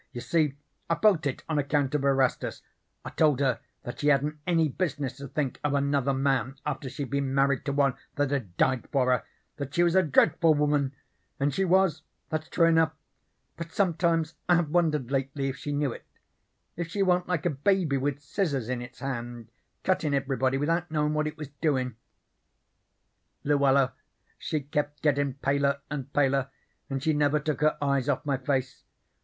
You see, I felt it on account of Erastus. I told her that she hadn't any business to think of another man after she'd been married to one that had died for her: that she was a dreadful woman; and she was, that's true enough, but sometimes I have wondered lately if she knew it if she wa'n't like a baby with scissors in its hand cuttin' everybody without knowin' what it was doin'. "Luella she kept gettin' paler and paler, and she never took her eyes off my face.